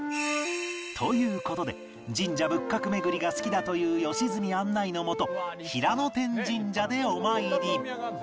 という事で神社仏閣巡りが好きだという良純案内のもと平野天神社でお参り